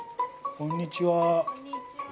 こんにちは。